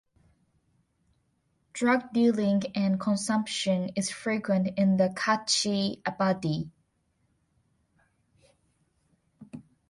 Drug dealing and consumption is frequent in the katchi abadi.